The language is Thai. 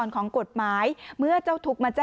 สองสามีภรรยาคู่นี้มีอาชีพ